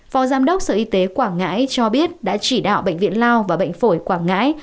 phó giám đốc sở y tế quảng ngãi cho biết đã chỉ đạo bệnh viện lao và bệnh phổi quảng ngãi